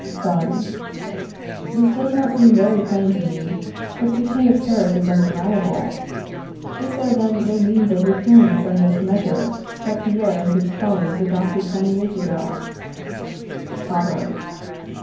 Son. This does not seem very plain to me, but the decay of Paris is undeniable. Is there, then, no means of repealing this unjust measure that Pierre and his colleagues adopted twenty years ago? _Father.